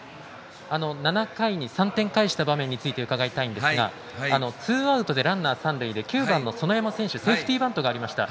７回に３点返した場面について伺いたいんですがツーアウトでランナー、三塁で９番の園山選手セーフティーバントがありました。